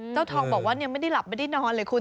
เจ้าทองบอกว่าไม่ได้หลับไม่ได้นอนเลยคุณ